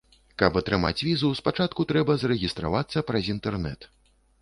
Каб атрымаць візу, спачатку трэба зарэгістравацца праз інтэрнэт.